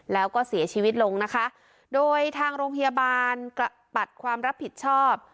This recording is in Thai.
แล้วก็เสียชีวิตลงนะคะโดยทางโรงพยาบาลกระปัดความรับผิดชอบ